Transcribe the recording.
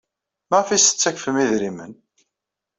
Maɣef ay as-ttakfen idrimen?